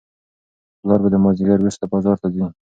پلار به د مازیګر وروسته بازار ته ځي.